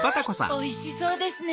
おいしそうですね。